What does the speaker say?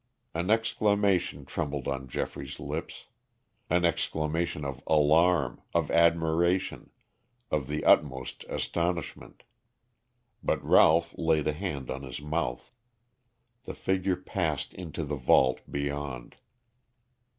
An exclamation trembled on Geoffrey's lips an exclamation of alarm, of admiration, of the utmost astonishment. But Ralph laid a hand on his mouth. The figure passed into the vault beyond.